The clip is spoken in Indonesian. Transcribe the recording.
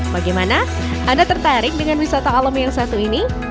bagaimana anda tertarik dengan wisata alam yang satu ini